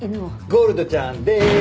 ゴールドちゃんでーす！